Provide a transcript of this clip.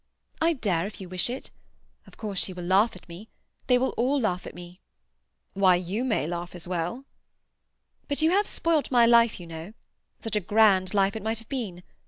"I dare, if you wish it. Of course she will laugh at me. They will all laugh at me." "Why, you may laugh as well." "But you have spoilt my life, you know. Such a grand life it might have been.